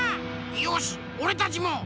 よしおれたちも！